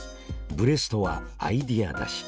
ブレストはアイデア出し。